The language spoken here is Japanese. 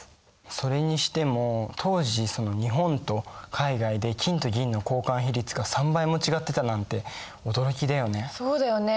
それにしても当時その日本と海外で金と銀の交換比率が３倍も違ってたなんて驚きだよね。